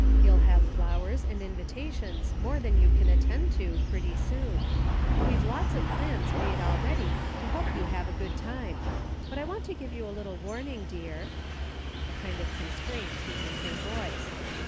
You'll have flowers and invitations, more than you can attend to, pretty soon. We've lots of plans made already to help you have a good time. But I want to give you a little warning, dear." A kind of constraint came in her voice.